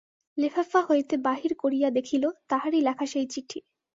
লেফাফা হইতে বাহির করিয়া দেখিল, তাহারই লেখা সেই চিঠি।